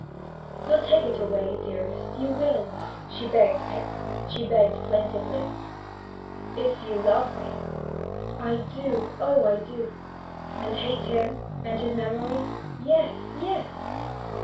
'You'll take it away, dearest you will!' she begged plaintively. 'If you love me.' 'I do oh, I do!' 'And hate him, and his memory?' 'Yes yes!'